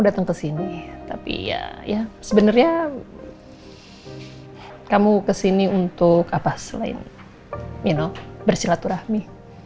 datang ke sini tapi ya ya sebenarnya kamu kesini untuk apa selain mino bersilaturahmi